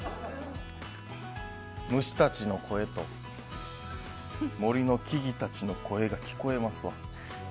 虫たちの声と森の木々たちの声が聞こえますわ。